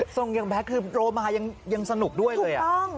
ตรงนี้แป๊บคือโรมายังสนุกด้วยถูกต้อง